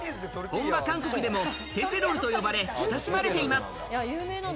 本場韓国でもテセロルと呼ばれ親しまれています。